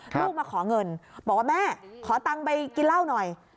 ลูกมาขอเงินบอกว่าแม่ขอตังค์ไปกินเหล้าหน่อย